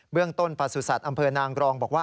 เรื่องต้นประสุทธิ์อำเภอนางกรองบอกว่า